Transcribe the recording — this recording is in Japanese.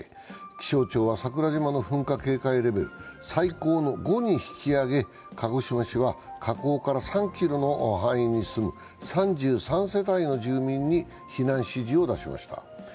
気象庁は桜島の噴火警戒レベル、最高の５に引き上げ、鹿児島市は火口から３ｋｍの範囲に住む３３世帯の住民に避難指示を出しました。